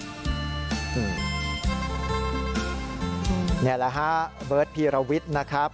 นี่แหละฮะเบิร์ตพีรวิทย์นะครับ